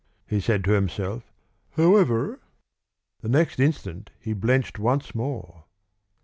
he said to himself. "However " The next instant he blenched once more.